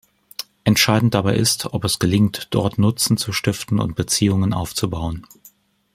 Entscheidend dabei ist, ob es gelingt, dort Nutzen zu stiften und Beziehungen aufzubauen.